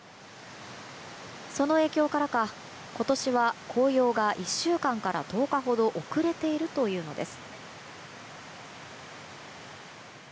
その影響からか、今年は紅葉が１週間から１０日ほど遅れているというのです。